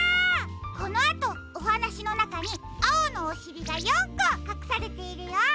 このあとおはなしのなかにあおのおしりが４こかくされているよ。